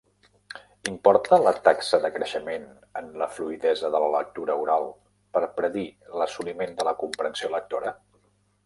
Importa la taxa de creixement en la fluïdesa de la lectura oral per predir l'assoliment de la comprensió lectora?